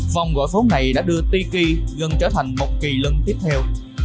phòng gọi phốn này đã đưa tiki gần trở thành một kỳ lưng tiếp theo